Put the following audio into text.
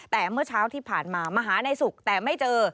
แต่เมื่อเช้าที่ผ่านมามาหาในศุกร์แต่ไม่เจอ